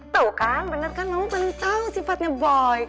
tuh kan bener kan mama bener tau sifatnya boy